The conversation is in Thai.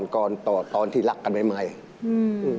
ก่อนตอนที่รักกันใหม่